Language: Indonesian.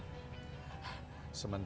tidak mau pulang